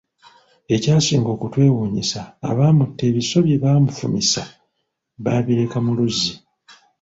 Ekyasinga okutwewuunyisa abaamutta ebiso bye baamufumisa baabireka mu luzzi.